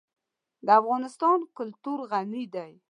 د افغانستان کلتور غني دی.